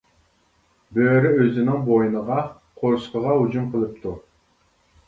بۆرە ئۆزىنىڭ بوينىغا، قورسىقىغا ھۇجۇم قىلىپتۇ.